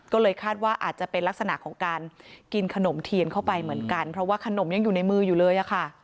ก็เลยคาดว่าอาจจะเป็นลักษณะของการกินขนมเทียนเข้าไปเหมือนกันเพราะว่าขนมยังอยู่ในมืออยู่เลยอะค่ะ